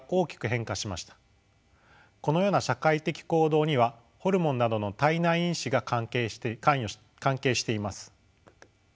このような社会的行動にはホルモンなどの体内因子が関係しています。